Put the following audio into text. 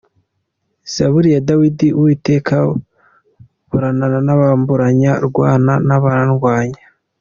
Zaburi ya Dawidi. Uwiteka burana n’abamburanya, Rwana n’abandwanya.